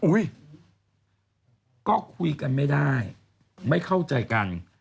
ก็คุยกันไม่ได้ไม่เข้าใจกัน